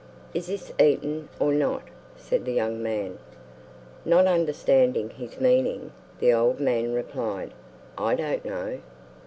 "Is this eaten or not?" said the young man. Not understanding his meaning, the old man replied, "I don't know."